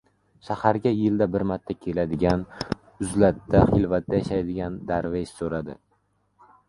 Shaharga yilda bir marta keladigan, uzlatda — xilvatda yashaydigan darvesh so‘radi: